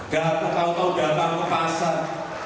gak kau kau datang ke pasar